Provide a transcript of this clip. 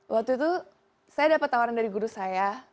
waktu itu saya dapat tawaran dari guru saya